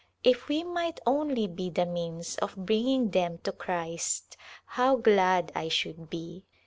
If we might only be the means of bringing them to Christ how glad I should be